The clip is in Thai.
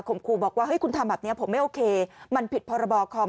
ผมไม่โอเคมันผิดพรบคอม